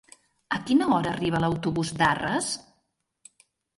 A quina hora arriba l'autobús d'Arres?